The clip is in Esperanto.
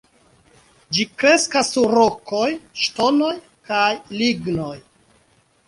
Ĝi kreskas sur rokoj, ŝtonoj kaj lignoj.